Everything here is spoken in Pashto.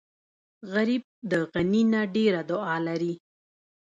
غریب د غني نه ډېره دعا لري